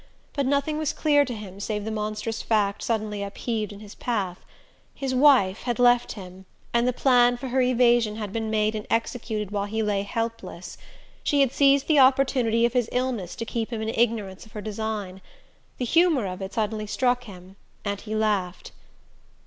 But nothing was clear to him save the monstrous fact suddenly upheaved in his path. His wife had left him, and the plan for her evasion had been made and executed while he lay helpless: she had seized the opportunity of his illness to keep him in ignorance of her design. The humour of it suddenly struck him and he laughed.